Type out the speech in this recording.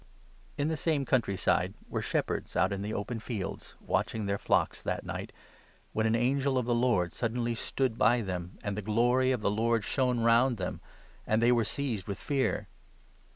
In that same country side were shepherds out iii the open 8 fields, watching their flocks that night, when an angel of 9 the Lord suddenly stood by them, and the Glory of the Lord shone around them ; and they were seized with fear.